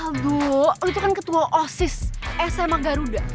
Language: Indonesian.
aduh itu kan ketua osis sma garuda